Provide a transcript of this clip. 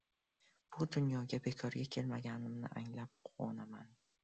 bu dunyoga bekorga kelmaganimni anglab, quvonaman.